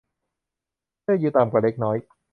เธออยู่ต่ำกว่าเล็กน้อย